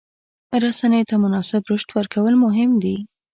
رسنیو ته مناسب رشد ورکول مهم دي.